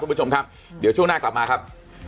คุณผู้ชมครับเดี๋ยวช่วงหน้ากลับมาครับ